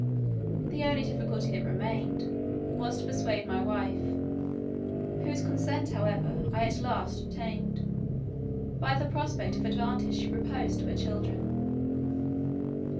The only difficulty that remained, was to persuade my wife, whose consent however I at last obtained, by the prospect of advantage she proposed to her children.